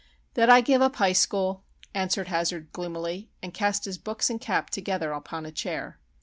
"That I give up High School," answered Hazard gloomily, and cast his books and cap together upon a chair.